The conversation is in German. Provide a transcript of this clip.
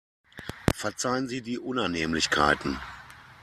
Verzeihen Sie die Unannehmlichkeiten.